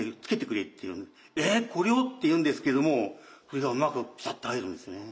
「ええこれを？」って言うんですけどもそれがうまくピタッと入るんですね。